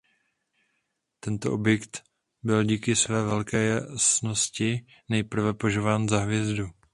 Tento objekt byl díky své velké jasnosti nejprve považován za hvězdu.